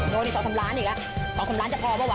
โดยนี่๒โซมล้านอีกแล้วถึง๒โซมล้านจะพอไหมวะ